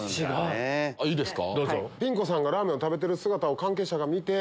いいですか。